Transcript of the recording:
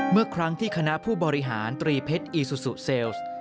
เมื่อครั้งที่คณะผู้บริหารตรีเพชรอีซูซูเซลส์